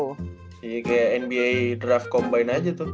sehingga kayak nba draft combine aja tuh